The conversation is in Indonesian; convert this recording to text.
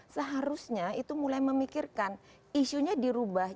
seharusnya itu mulai memikirkan isunya dirubah